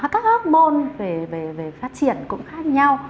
các hốc môn về phát triển cũng khác nhau